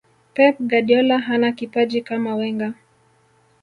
pep guardiola hana kipaji kama wenger